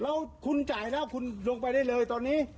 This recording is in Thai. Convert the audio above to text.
แล้วบุคคลไหนแกต้องลงไปได้เลยตอนนี้